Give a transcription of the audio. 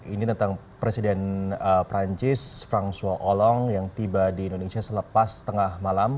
ini tentang presiden perancis fransua olong yang tiba di indonesia selepas tengah malam